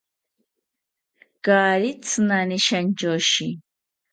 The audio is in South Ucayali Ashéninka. Kaari tzinani shantyoshi